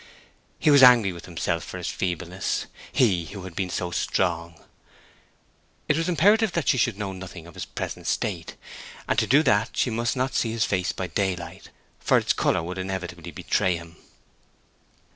He was angry with himself for his feebleness—he who had been so strong. It was imperative that she should know nothing of his present state, and to do that she must not see his face by daylight, for its color would inevitably betray him.